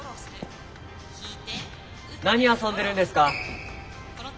何遊んでるんですか？